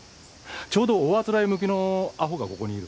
ちょうどおあつらえ向きのアホがここにいる。